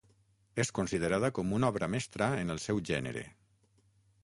És considerada com una obra mestra en el seu gènere.